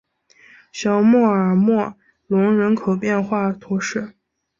小穆尔默隆人口变化图示